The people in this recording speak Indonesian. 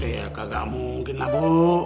ya kagak mungkin lah bu